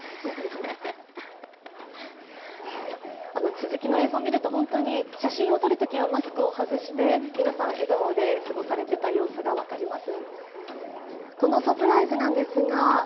続きの映像を見ると、本当に写真を撮るときはマスクを外して皆さん、笑顔で過ごされていた様子が分かります。